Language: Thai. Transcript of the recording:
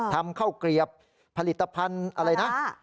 ทำเข้าเกรียบผลิตภัณฑ์ปลาร้า